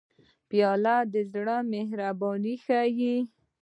پیاله د زړه مهرباني ښيي.